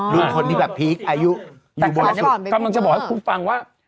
รุ่นคนที่แบบพีคอายุอยู่บ่อยสุดแต่กำลังจะบอกให้คุณฟังว่า